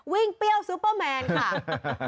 เปรี้ยวซูเปอร์แมนค่ะ